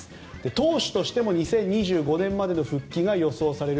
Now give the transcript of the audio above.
投手としても２０２５年までの復帰が予想される。